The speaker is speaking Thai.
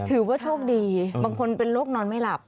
ถือว่าโชคดีบางคนเป็นโรคนอนไม่หลับ